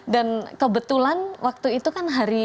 dan kebetulan waktu itu kan hari